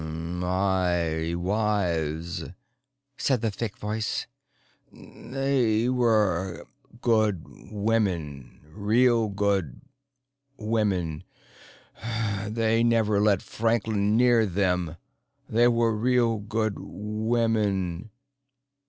"My wives," said the thick voice. "They were good women. Real good women. They never let Franklin near them. They were real good women."